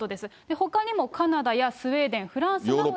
ほかにもカナダやスウェーデン、フランス。